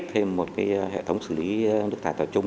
thêm một hệ thống xử lý nước thải tập trung